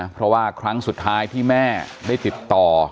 เพราะว่าครั้งสุดท้ายที่แม่ได้ติดต่อ